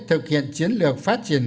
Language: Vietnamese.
thực hiện chiến lược phát triển